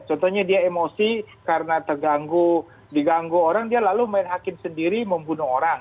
karena dia emosi karena terganggu diganggu orang dia lalu main hakim sendiri membunuh orang